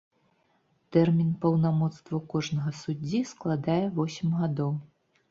Тэрмін паўнамоцтваў кожнага суддзі складае восем гадоў.